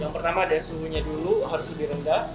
yang pertama ada suhunya dulu harus lebih rendah